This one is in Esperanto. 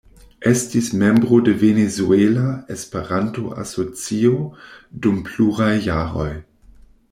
Estis membro de Venezuela Esperanto-Asocio dum pluraj jaroj.